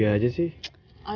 ayo lah mas sekali sekali